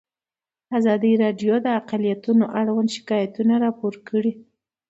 ازادي راډیو د اقلیتونه اړوند شکایتونه راپور کړي.